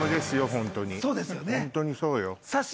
ホントにそうよ。